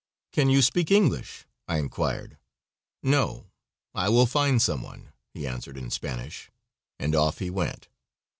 "Can you speak English?" I inquired. "No, I will find some one," he answered in Spanish, and off he went.